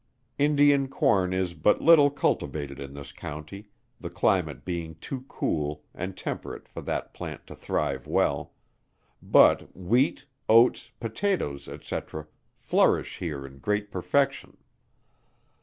Indian corn is but little cultivated in this county, the climate being too cool and temperate for that plant to thrive well; but wheat, oats, potatoes, &c. flourish here in great perfection.